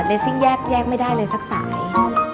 เลสซิ่งแยกแยกไม่ได้เลยสักสาย